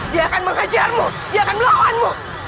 dia akan mengajarmu dia akan melawanmu